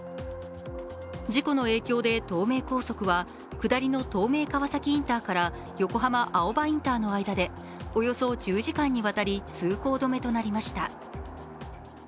事故の影響で、東名高速は下りの東名川崎インターから横浜青葉インターの間でおよそ１０時間にわたり通行止めとなりました。